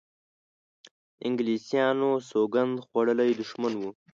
انګلیسیانو سوګند خوړولی دښمن وو.